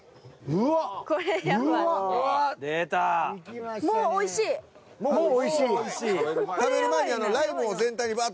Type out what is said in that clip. うわおいしそう。